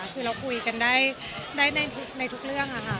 คือเราคุยกันได้ในทุกเรื่องค่ะ